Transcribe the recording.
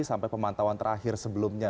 sampai pemantauan terakhir sebelumnya